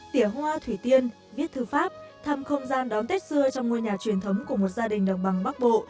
tỉa hoa thủy tiên viết thư pháp thăm không gian đón tết xưa trong ngôi nhà truyền thống của một gia đình đồng bằng bắc bộ